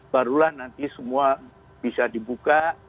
barulah nanti semua bisa dibuka